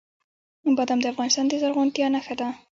بادام د افغانستان د زرغونتیا نښه ده.